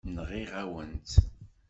Nɣiɣ-awen-tt.